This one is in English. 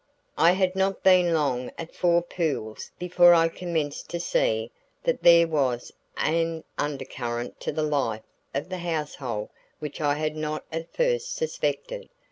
I had not been long at Four Pools before I commenced to see that there was an undercurrent to the life of the household which I had not at first suspected.